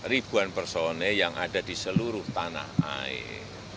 ribuan personil yang ada di seluruh tanah air